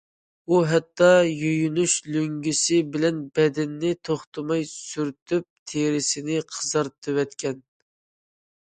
ئۇ ھەتتا يۇيۇنۇش لۆڭگىسى بىلەن بەدىنىنى توختىماي سۈرتۈپ تېرىسىنى قىزارتىۋەتكەن.